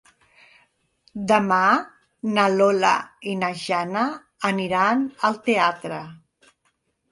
Demà na Lola i na Jana aniran al teatre.